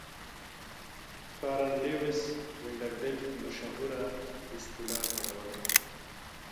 کارنلیوس وینډربیلټ مشهوره اصطلاح کاروله.